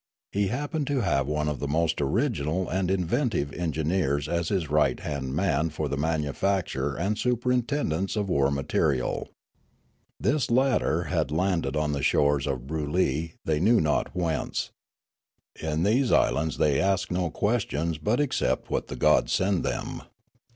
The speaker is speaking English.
He happened to have one of the most original and inventive engineers as his right hand man for the manufacture and superintendence of war material. This latter had landed on the shores of Broolyi they knew not whence. In these islands they ask no ques tions but accept what the gods send them.